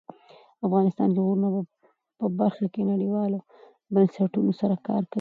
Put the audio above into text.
افغانستان د غرونه په برخه کې نړیوالو بنسټونو سره کار کوي.